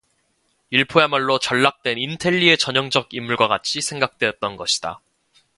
일포야말로 전락된 인텔리의 전형적 인물과 같이 생각되었던 것이다.